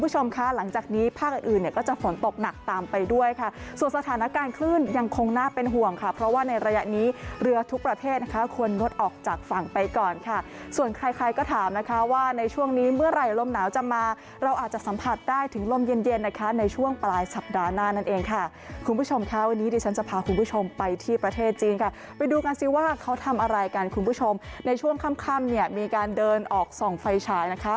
หลังจากนี้ภาคอื่นก็จะฝนตกหนักตามไปด้วยค่ะส่วนสถานการณ์ขึ้นยังคงน่าเป็นห่วงค่ะเพราะว่าในระยะนี้เรือทุกประเทศนะคะควรรถออกจากฝั่งไปก่อนค่ะส่วนใครก็ถามนะคะว่าในช่วงนี้เมื่อไหร่ลมหนาวจะมาเราอาจจะสัมผัสได้ถึงลมเย็นนะคะในช่วงปลายสัปดาห์หน้านั่นเองค่ะคุณผู้ชมค่ะวันนี้ดิฉ